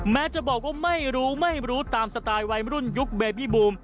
แม้จะบอกว่าไม่รู้ไม่รู้ตามสไตล์วัยรุ่นยุคเบบี้บูม